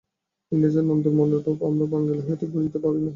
ইংরাজনন্দনের মনের ভাব আমরা বাঙালি হইয়া ঠিক বুঝিতে পারি না।